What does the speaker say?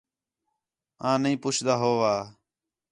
آݨ نہیں پُچھدا ہُو وا